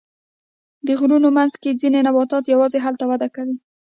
د غرونو منځ کې ځینې نباتات یوازې هلته وده کوي.